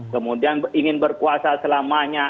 kemudian ingin berpuasa selamanya